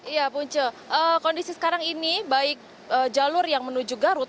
ya punca kondisi sekarang ini baik jalur yang menuju garut